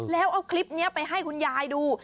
แล้วเอาคลิปนี้ไปให้คุณยายดู